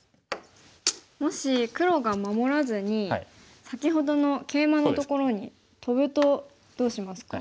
もし黒が守らずに先ほどのケイマのところにトブとどうしますか？